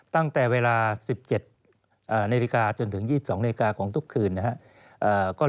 ตั้งแต่เวลา๑๗เซลลิกาจนถึง๒๒เซลลิกาของทุกขึนนะครับ